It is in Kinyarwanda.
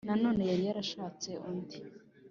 Nanone yari yarashatse undi